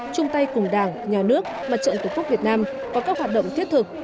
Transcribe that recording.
chung tay cùng đảng nhà nước mặt trận tổng thống việt nam có các hoạt động thiết thực